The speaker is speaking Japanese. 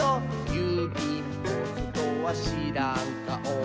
「ゆうびんポストはしらんかお」